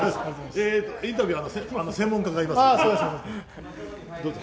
インタビュー、専門家がいます、どうぞ。